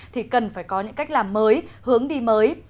thì cần phải có những cách làm mới hướng đi mới